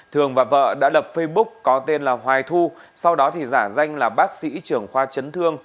thường và vợ đã lập facebook có tên là hoài thu sau đó giả danh là bác sĩ trưởng khoa chấn thương